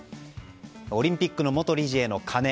オリンピックの元理事へのカネ。